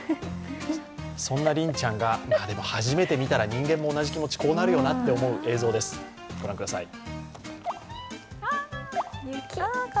そんなりんちゃんが初めて見たら人間も同じ気持ち、こうなるよなっていう映像です、御覧ください。